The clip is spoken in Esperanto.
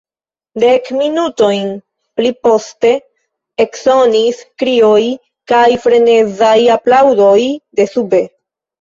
Dek minutojn pli poste eksonis krioj kaj frenezaj aplaŭdoj de sube.